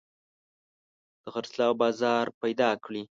د خرڅلاو بازار پيدا کړي.